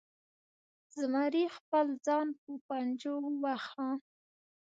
زمري خپل ځان په پنجو وواهه.